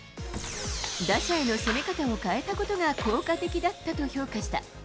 打者への攻め方を変えたことが効果的だったと評価した。